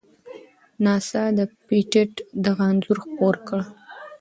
ناسا د پېټټ دغه انځور خپور کړ.